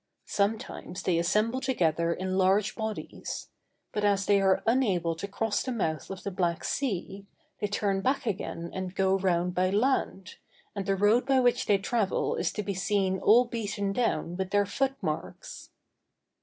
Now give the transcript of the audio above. Sometimes they assemble together in large bodies; but as they are unable to cross the mouth of the Black Sea, they turn back again and go round by land, and the road by which they travel is to be seen all beaten down with their foot marks.